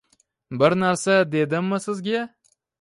Bir narsa dedimmi sizga